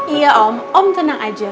iya om om tenang aja